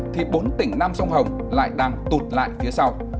thì bốn tỉnh nam sông hồng lại đang tụt lại phía sau